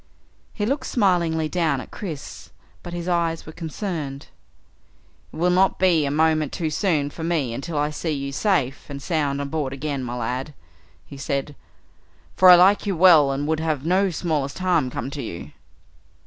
He looked smilingly down at Chris but his eyes were concerned. "It will not be a moment too soon for me until I see you safe and sound on board again, my lad," he said, "for I like you well and would have no smallest harm come to you."